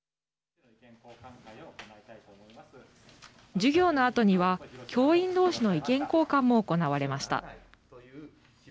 授業のあとには教員同士の意見交換も行われました。